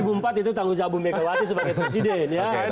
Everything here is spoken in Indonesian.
kalau dua ribu empat itu tanggung jawab bumperi sebagai presiden ya